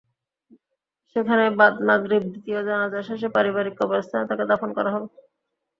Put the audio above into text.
সেখানে বাদ মাগরিব দ্বিতীয় জানাজা শেষে পারিবারিক কবরস্থানে তাঁকে দাফন করা হবে।